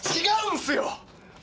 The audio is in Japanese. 違うんっすよ！